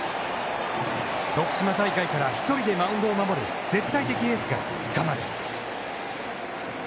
徳島大会から１人でマウンドを守る絶対的エースがつかまる。